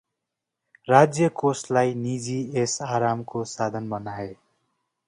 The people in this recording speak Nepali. राज्यकोषलाई निजी ऐसआरामको साधन बनाए ।